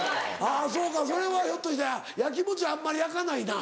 そうかそれはひょっとしたら焼きもちあんまり焼かないな。